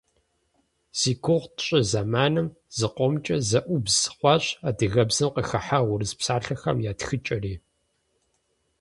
Зи гугъу тщӏы зэманым зыкъомкӏэ зэӏубз хъуащ адыгэбзэм къыхыхьа урыс псалъэхэм я тхыкӏэри.